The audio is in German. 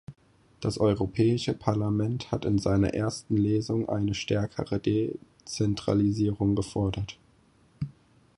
Das Europäische Parlament hat in seiner ersten Lesung eine stärkere Dezentralisierung gefordert.